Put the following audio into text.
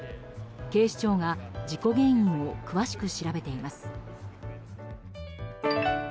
警視庁が事故原因を詳しく調べています。